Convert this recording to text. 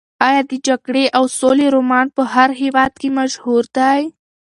ایا د جګړې او سولې رومان په هر هېواد کې مشهور دی؟